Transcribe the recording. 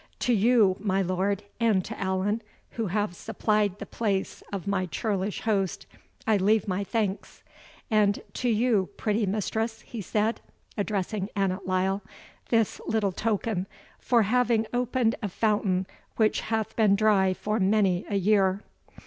To you, my lord, and to Allan, who have supplied the place of my churlish host, I leave my thanks. And to you, pretty mistress," he said, addressing Annot Lyle, "this little token, for having opened a fountain which hath been dry for many a year."